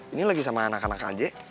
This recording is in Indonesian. ini lagi sama anak anak kj